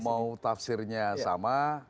kalau mau tafsirnya sama